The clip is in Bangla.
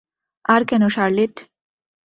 আর কেন শার্লেট?